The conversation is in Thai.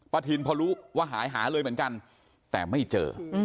ทินพอรู้ว่าหายหาเลยเหมือนกันแต่ไม่เจอ